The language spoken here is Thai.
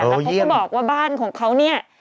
แล้วเขาก็บอกว่าบ้านของเขาเนี่ย